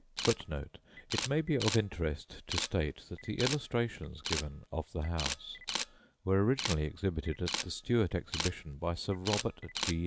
[Footnote 1: It may be of interest to state that the illustrations we give of the house were originally exhibited at the Stuart Exhibition by Sir Robert G.